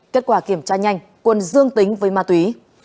kết quả kiểm tra nhanh quân dương tính với ma túy